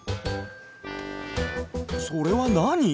それはなに？